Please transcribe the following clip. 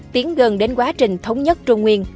tiến gần đến quá trình thống nhất trung nguyên